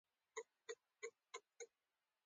د کجکي بند څومره بریښنا تولیدوي؟